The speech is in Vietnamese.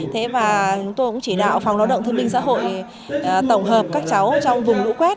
chúng tôi cũng chỉ đạo phòng nói động thương minh xã hội tổng hợp các cháu trong vùng lũ quét